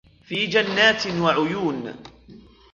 فِي جَنَّاتٍ وَعُيُونٍ